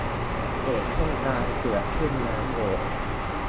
เพจต้นทาง เกือบครึ่งล้านโหวต